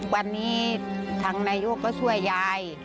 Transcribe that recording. วันนี้ทางนายกก็ช่วยยาย